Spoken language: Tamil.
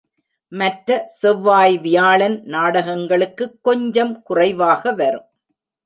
மற்ற செவ்வாய் வியாழன் நாடகங்களுக்குக் கொஞ்சம் குறைவாக வரும்.